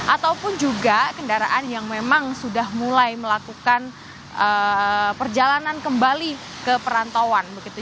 ataupun juga kendaraan yang memang sudah mulai melakukan perjalanan kembali ke perantauan